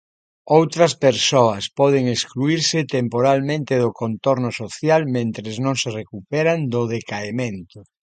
Outras persoas poden excluírse temporalmente do contorno social mentres non se recuperan do decaemento.